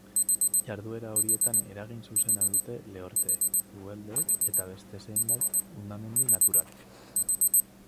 Jarduera horietan eragin zuzena dute lehorteek, uholdeek eta beste zenbait hondamendi naturalek.